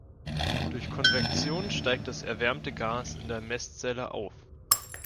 Durch Konvektion steigt das erwärmte Gas in der Messzelle auf.